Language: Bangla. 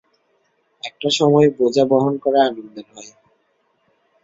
একটা সময় বোঝা বহন করা আনন্দের হয়।